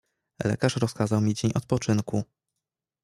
"Lekarz rozkazał mi dzień odpoczynku."